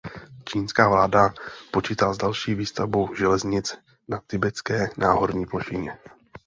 Čínská vláda počítá s další výstavbou železnic na Tibetské náhorní plošině.